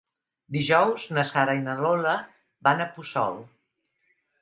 Dijous na Sara i na Lola van a Puçol.